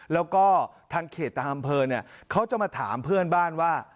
แล้วก็ทางเขตต่างอำเภอเนี่ยเขาจะมาถามเพื่อนบ้านว่า